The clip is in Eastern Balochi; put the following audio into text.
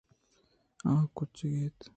آ چُک اِنت